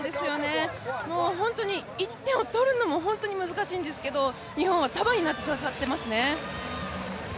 本当に１点を取るのも難しいんですけど、日本は束になって戦ってますね。